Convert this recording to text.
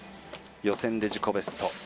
予選で自己ベスト。